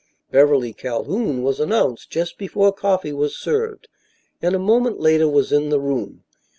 Beverly Calhoun was announced just before coffee was served, and a moment later was in the room.